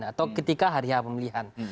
atau ketika hari pemilihan